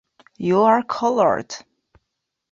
You are colored!